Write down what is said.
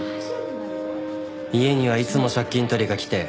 家にはいつも借金取りが来て。